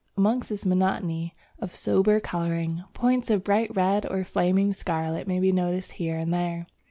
But amongst this monotony of sober colouring, points of bright red or flaming scarlet may be noticed here and there.